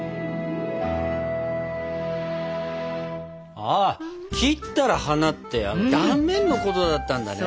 ああ切ったら花って断面のことだったんだね。